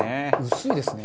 「薄いですね」